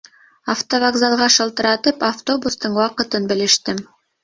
Автовокзалға шылтыратып, автобустың ваҡытын белештем.